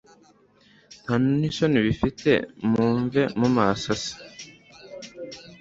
ntanisoni bifite mumve mumaso se